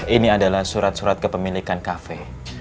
ini adalah surat surat kepemilikan kafe